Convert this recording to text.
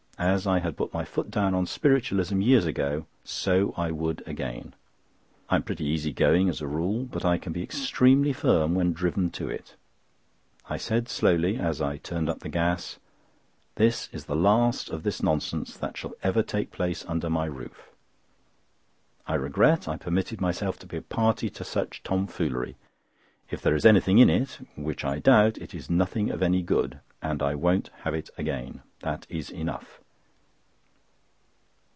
As I had put my foot down on Spiritualism years ago, so I would again. I am pretty easy going as a rule, but I can be extremely firm when driven to it. I said slowly, as I turned up the gas: "This is the last of this nonsense that shall ever take place under my roof. I regret I permitted myself to be a party to such tomfoolery. If there is anything in it—which I doubt—it is nothing of any good, and I won't have it again. That is enough."